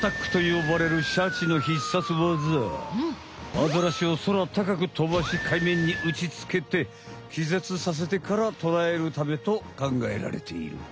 アザラシを空たかく飛ばしかいめんにうちつけて気絶させてから捕らえるためとかんがえられている。